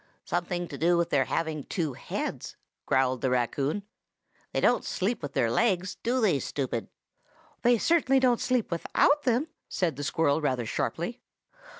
"Something to do with their having two heads!" growled the raccoon. "They don't sleep with their legs, do they, stupid?" "They certainly don't sleep without them!" said the squirrel rather sharply.